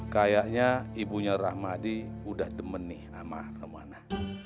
kayaknya ibunya rahmadi udah demen nih sama ramana